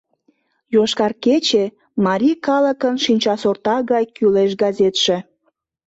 «Йошкар кече» — марий калыкын шинчасорта гай кӱлеш газетше.